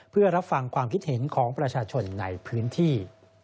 เพื่อรับฟังความคิดเห็นของประชาชนในพื้นที่